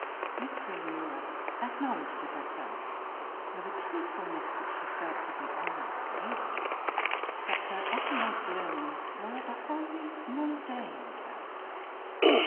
'' 30 Miss Phihtra Miss Philura acknowledged to herself, with a truthfulness which she felt to be almost brazen, that her uppermost yearnings were of a wholly mundane character.